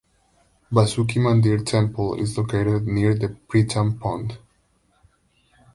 Vasuki mandir temple is located near the Pritam pond.